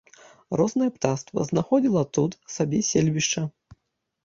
Рознае птаства знаходзіла тут сабе сельбішча.